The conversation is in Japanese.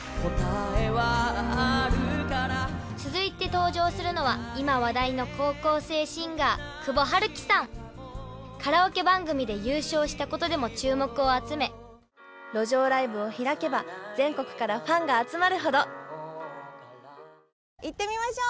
続いて登場するのは今話題の高校生シンガーカラオケ番組で優勝したことでも注目を集め路上ライブを開けば全国からファンが集まるほど行ってみましょう！